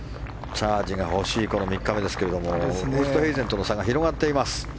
チャージが欲しい３日目ですがウーストヘイゼンとの差が広がっています。